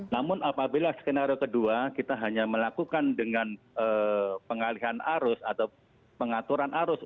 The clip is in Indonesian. namun apabila skenario kedua kita hanya melakukan dengan pengalihan arus atau pengaturan arus